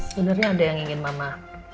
sebenarnya ada yang ingin mama